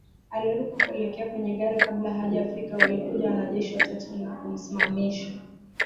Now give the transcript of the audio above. Aliruka kuelekea kwenya gari kabla hajafika walikuja wanajeshi watatu na kumsimamisha